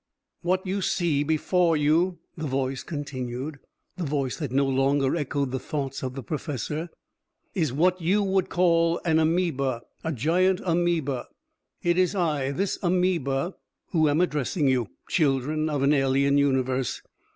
"What you see before you," the Voice continued the Voice that no longer echoed the thoughts of the professor "is what you would call an amoeba, a giant amoeba. It is I this amoeba, who am addressing you children of an alien universe.